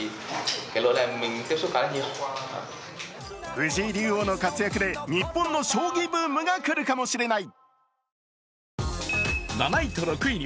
藤井竜王の活躍で日本の将棋ブームがくるかもしれない。